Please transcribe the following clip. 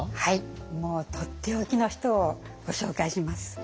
もうとっておきの人をご紹介します。